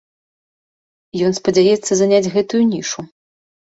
Ён спадзяецца заняць гэтую нішу.